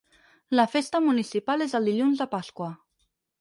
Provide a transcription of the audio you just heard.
La festa municipal és el dilluns de Pasqua.